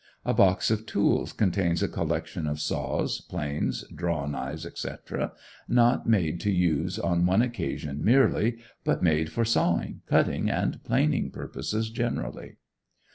A box of tools contains a collection of saws, planes, draw knives, etc., not made to use on one occasion merely, but made for sawing, cutting, and planing purposes generally.